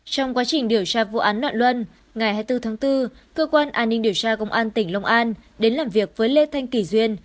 trong quá trình điều tra vụ án loạn luân ngày hai mươi bốn tháng bốn cơ quan an ninh điều tra công an tỉnh long an đến làm việc với lê thanh kỳ duyên